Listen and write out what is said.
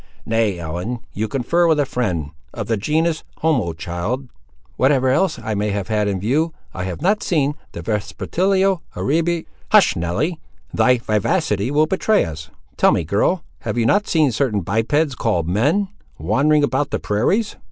"Nay, Ellen, you confer with a friend. Of the genus, homo, child?" "Whatever else I may have had in view, I have not seen the vespertilio horribi—" "Hush, Nelly, thy vivacity will betray us! Tell me, girl, have you not seen certain bipeds, called men, wandering about the prairies?"